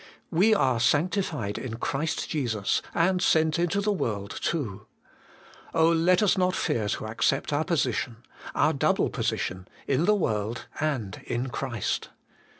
"We are ' sanctified in Christ Jesus,' and sent into the world too. Oh, let us not fear to accept our position our double position ; in the world, and in Christ